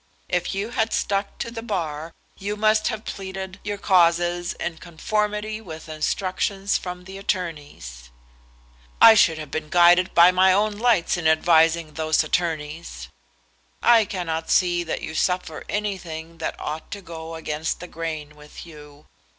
If you had stuck to the Bar you must have pleaded your causes in conformity with instructions from the attorneys." "I should have been guided by my own lights in advising those attorneys." "I cannot see that you suffer anything that ought to go against the grain with you.